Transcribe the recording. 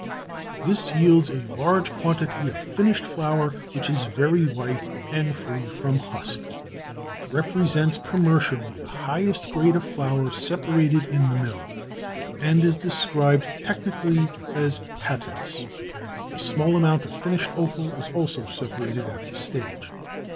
This yields a large quantity of finished flour which is very white and free from husk. It represents commercially the highest grade of flour separated in the mill and is described technically as patents. A small amount of finished offal is also separated at this stage.